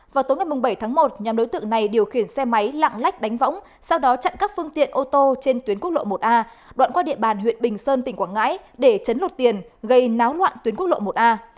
vào tối ngày bảy tháng một nhóm đối tượng này điều khiển xe máy lạng lách đánh võng sau đó chặn các phương tiện ô tô trên tuyến quốc lộ một a đoạn qua địa bàn huyện bình sơn tỉnh quảng ngãi để chấn lột tiền gây náo loạn tuyến quốc lộ một a